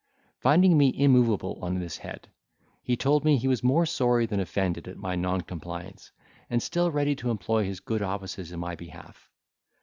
Finding me immovable on this head, he told me, he was more sorry than offended at my noncompliance, and still ready to employ his good offices in my behalf.